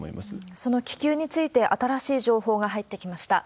その気球について、新しい情報が入ってきました。